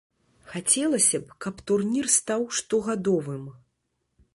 Хацелася б, каб турнір стаў штогадовым.